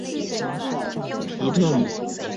皮特姆。